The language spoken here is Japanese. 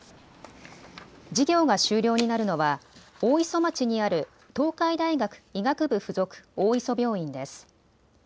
事業が終了になるのは大磯町にある東海大学医学部付属大磯病院です。